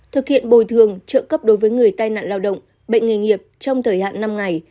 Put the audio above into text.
thực hiện bồi thường trợ cấp đối với người tai nạn lao động bệnh nghề nghiệp trong thời hạn năm ngày